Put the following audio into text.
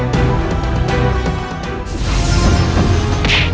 baik ayah ayah